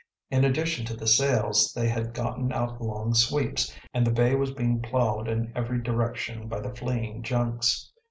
In addition to the sails they had gotten out long sweeps, and the bay was being ploughed in every direction by the fleeing junks.